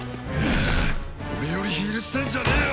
俺よりヒールしてんじゃねえよ！